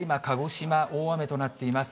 こちら、今、鹿児島、大雨となっています。